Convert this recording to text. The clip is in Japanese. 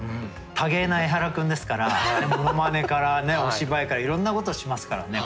多芸なエハラ君ですからものまねからお芝居からいろんなことしますからね